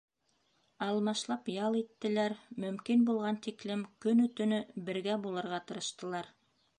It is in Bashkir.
Алмашлап ял иттеләр, мөмкин булған тиклем көнө-төнө бергә булырға тырыштылар.